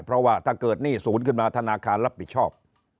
เพราะว่าถ้าเกิดหนี้ศูนย์ขึ้นมาธนาคารรับผิดชอบ